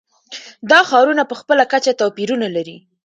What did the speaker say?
دا ښارونه په خپله کچه توپیرونه لري.